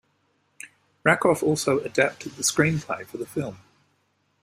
Rakoff also adapted the screenplay for the film.